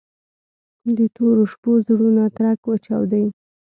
د تورو شپو زړونه ترک وچاودي